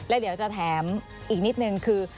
แล้วเดี๋ยวจะแถมอีกนิดนึงคือ